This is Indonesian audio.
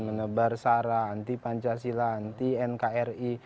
menebar sara anti pancasila anti nkri